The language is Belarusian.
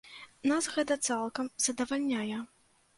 Нас гэта цалкам задавальняе.